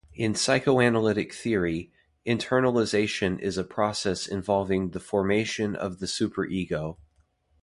In psychoanalytic theory, internalization is a process involving the formation of the super ego.